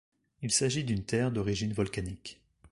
Il s'agit d'une terre d'origine volcanique.